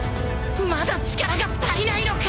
まだ力が足りないのか！